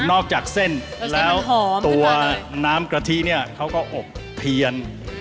อกจากเส้นแล้วตัวน้ำกะทิเนี่ยเขาก็อบเพียน